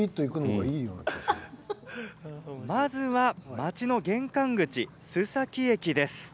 まずは町の玄関口、須崎駅です。